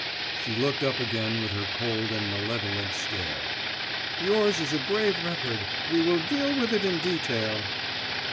She looked up again with her cold and malevolent stare; "yours is a grave record; we will deal with it in detail."